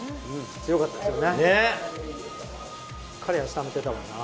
強かったですよね。